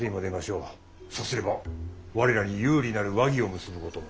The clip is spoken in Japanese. さすれば我らに有利なる和議を結ぶことも。